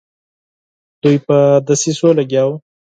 دوی په دسیسو لګیا وه.